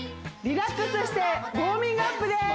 リラックスしてウォーミングアップです